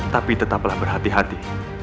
tapi tetaplah berhati hati